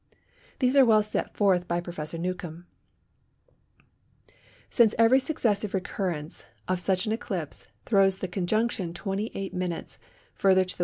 These are well set forth by Professor Newcomb:— "Since every successive recurrence of such an eclipse throws the conjunction 28′ further toward the W.